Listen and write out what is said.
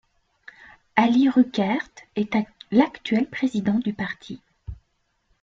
Ali Ruckert est l'actuel président du parti.